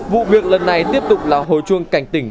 vụ việc lần này tiếp tục là hồi chuông cảnh tỉnh